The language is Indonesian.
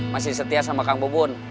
masih setia sama kang bubun